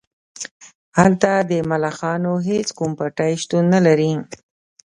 هلته د ملخانو هیڅ کوم پټی شتون نلري